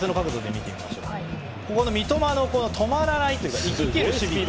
ここの三笘の止まらないというか行ききる守備。